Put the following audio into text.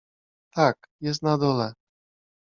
— Tak, jest na dole.